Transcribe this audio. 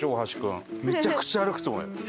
めちゃくちゃ歩くと思うよ。